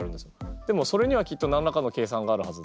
でもそれには何らかの計算があるはずで。